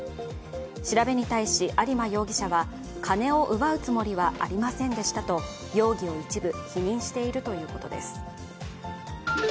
調べに対し有馬容疑者は、金を奪うつもりはありませんでしたと、容疑を一部否認しているということです。